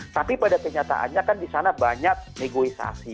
tapi pada kenyataannya kan di sana banyak negosiasi